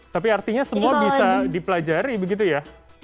tapi artinya semua bisa dipelajari begitu ya